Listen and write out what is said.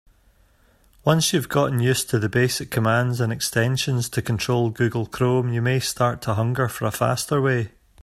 Once you've gotten used to the basic commands and extensions to control Google Chrome, you may start to hunger for a faster way.